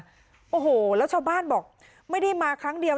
โอ้โหแล้วชาวบ้านบอกไม่ได้มาครั้งเดียว